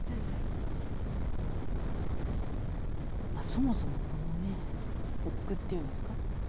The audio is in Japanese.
そもそもこのね発句っていうんですか？